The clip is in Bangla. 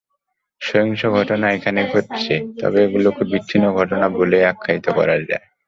সহিংস ঘটনা এখনো ঘটছে, তবে এগুলোকে বিচ্ছিন্ন ঘটনা বলেই আখ্যায়িত করা যায়।